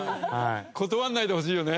断らないでほしいよね